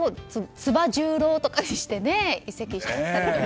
つば十郎とかにして移籍したりとか。